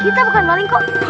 kita bukan maling kok